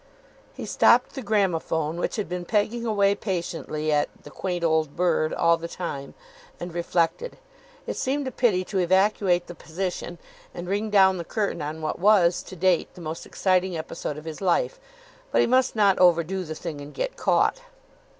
He stopped the gramophone, which had been pegging away patiently at "The Quaint Old Bird" all the time, and reflected. It seemed a pity to evacuate the position and ring down the curtain on what was, to date, the most exciting episode of his life; but he must not overdo the thing, and get caught.